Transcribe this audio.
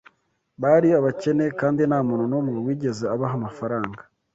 Bari abakene kandi ntamuntu numwe wigeze abaha amafaranga